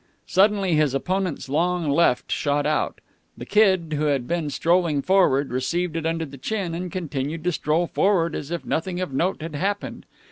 Suddenly his opponent's long left shot out. The Kid, who had been strolling forward, received it under the chin, and continued to stroll forward as if nothing of note had happened.